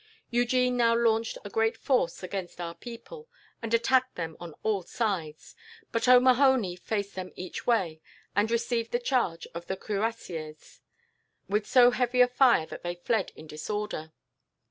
Eugene now launched a great force against our people, and attacked them on all sides; but O'Mahony faced them each way, and received the charge of the cuirassiers with so heavy a fire that they fled in disorder.